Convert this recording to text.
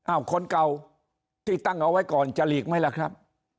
คนเก่าที่ตั้งเอาไว้ก่อนจะหลีกไหมล่ะครับ